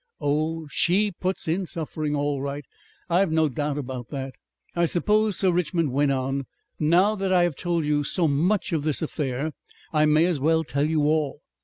"Oh! SHE puts in suffering all right. I've no doubt about that. "I suppose," Sir Richmond went on, "now that I have told you so much of this affair, I may as well tell you all.